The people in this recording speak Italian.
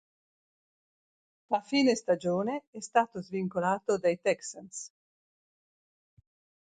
A fine stagione è stato svincolato dai Texans.